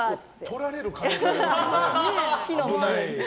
とられる可能性がありますからね。